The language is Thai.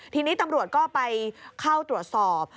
ทีนี้ตำรวจก็ไปเข้าตรวจสอบ